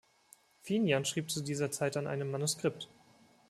Finian schrieb zu dieser Zeit an einem Manuskript.